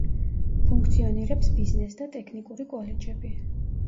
ფუნქციონირებს ბიზნეს და ტექნიკური კოლეჯები.